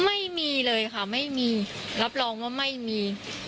ไม่มีเลยค่ะไม่มีรับรองว่าไม่มี